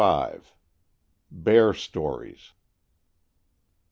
BEAR STORIES.